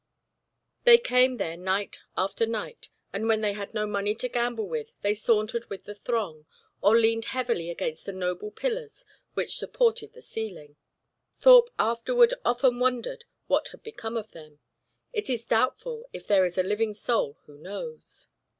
They came there night after night, and when they had no money to gamble with they sauntered with the throng, or leaned heavily against the noble pillars which supported the ceiling. Thorpe afterward often wondered what had become of them. It is doubtful if there is a living soul who knows.